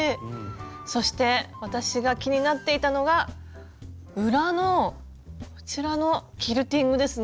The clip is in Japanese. そして私が気になっていたのが裏のこちらのキルティングですね。